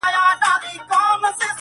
• چي خبر د کلي خلګ په دې کار سوه,